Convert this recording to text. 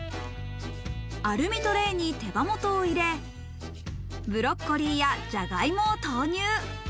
アルミトレイに手羽元を入れ、ブロッコリーやじゃがいもを投入。